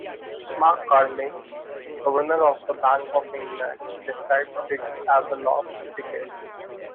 Mark Carney, Governor of the Bank of England, described it as a lost decade.